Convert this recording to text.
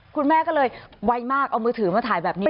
คุณแม่ก็เลยไวมากเอามือถือมาถ่ายแบบนี้